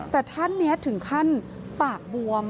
แต่ท่านนี้ถึงขั้นปากบวม